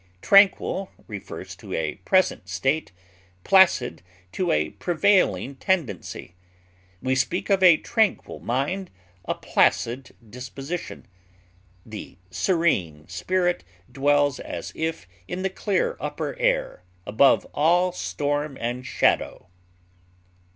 Tranquil refers to a present state, placid, to a prevailing tendency. We speak of a tranquil mind, a placid disposition. The serene spirit dwells as if in the clear upper air, above all storm and shadow.